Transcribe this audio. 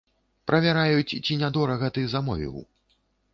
Правяраюць, ці не дорага ты замовіў.